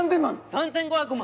３，５００万。